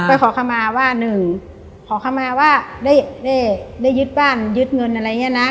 ขอคำมาว่าหนึ่งขอเข้ามาว่าได้ยึดบ้านยึดเงินอะไรอย่างนี้นะ